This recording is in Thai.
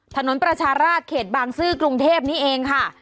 ถนนประชาราชเขตบางซื่อกรุงเทพนี้เองค่ะ